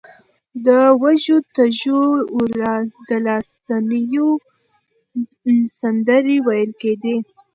د وږو تږو د لاسنیوي سندرې ویل کېدې.